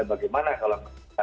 bagaimana kalau kita